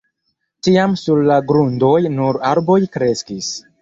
Tiam sur la grundoj nur arboj kreskis.